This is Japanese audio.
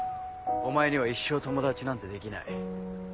お前には一生友達なんてできない。